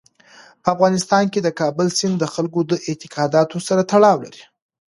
په افغانستان کې د کابل سیند د خلکو د اعتقاداتو سره تړاو لري.